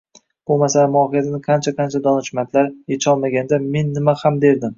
Bu masalani mohiyatini qancha-qancha donishmandlar echolmaganda, men nima ham derdim